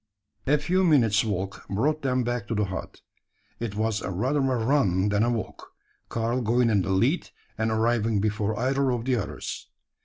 A few minutes' walk brought them back to the hut. It was rather a run than a walk Karl going in the lead, and arriving before either of the others.